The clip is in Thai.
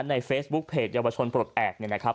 ในเฟซบุ๊คเพจเยาวชนปลดแอบเนี่ยนะครับ